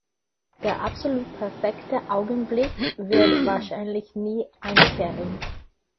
Der absolut perfekte Augenblick wird wahrscheinlich nie einkehren.